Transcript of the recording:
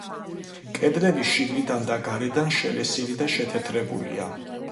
კედლები შიგნიდან და გარედან შელესილი და შეთეთრებულია.